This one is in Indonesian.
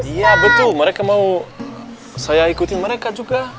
iya betul mereka mau saya ikutin mereka juga